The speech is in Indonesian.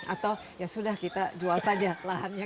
atau ya sudah kita jual saja lahannya